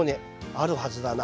あるはずだな。